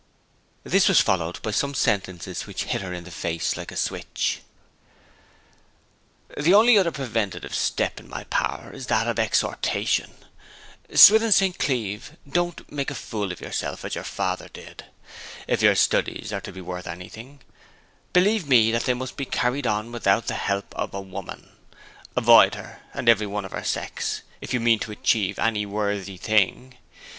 This was followed by some sentences which hit her in the face like a switch: 'The only other preventive step in my power is that of exhortation. ... Swithin St. Cleeve, don't make a fool of yourself, as your father did. If your studies are to be worth anything, believe me they must be carried on without the help of a woman. Avoid her, and every one of the sex, if you mean to achieve any worthy thing.